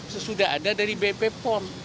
sesudah ada dari bpom